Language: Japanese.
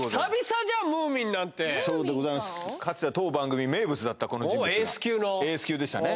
そうでございますかつては当番組名物だったこの人物がエース級でしたね